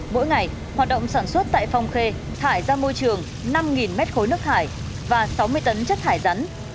mỗi ngày hoạt động sản xuất tại phong khê thải ra môi trường năm mét khối nước thải và sáu mươi tấn chất thải rắn